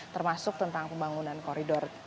termasuk tentang pembangunan koridor